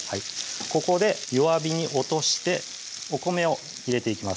ここで弱火に落としてお米を入れていきます